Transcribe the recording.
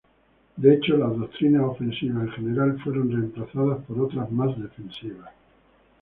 De hecho, las doctrinas ofensivas en general fueron reemplazadas por otras más defensivas.